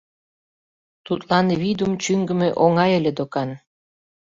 Тудлан Вийдум чӱҥгымӧ оҥай ыле докан.